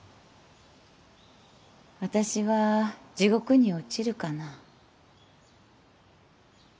あたしは地獄に落ちるかな？